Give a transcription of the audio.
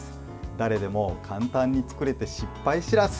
誰でも簡単に作れて失敗知らず。